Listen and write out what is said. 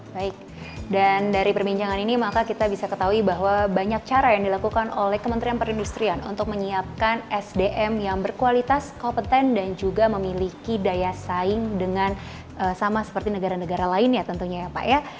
baik dan dari perbincangan ini maka kita bisa ketahui bahwa banyak cara yang dilakukan oleh kementerian perindustrian untuk menyiapkan sdm yang berkualitas kompeten dan juga memiliki daya saing dengan sama seperti negara negara lainnya tentunya ya pak ya